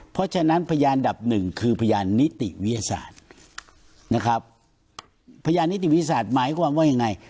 เพราะฉะนั้นพยานดับหนึ่งคือพยานนิติวิทยาศาสตร์นะครับพยานนิติวิทยาศาสตร์หมายความว่ายังไง